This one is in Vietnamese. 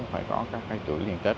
phải có các chuỗi liên kết